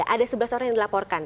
ada sebelas orang yang dilaporkan